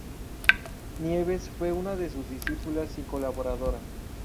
Nieves fue una de sus discípulas y colaboradora.